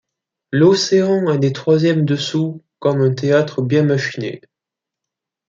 L’océan a des troisièmes dessous comme un théâtre bien machiné.